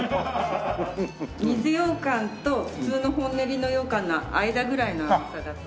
水羊かんと普通の本練りの羊かんの間ぐらいの甘さだと。